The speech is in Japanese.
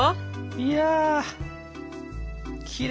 いやきれい。